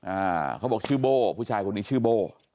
อ่าเขาบอกชื่อโบ้ผู้ชายคนนี้ชื่อโบ้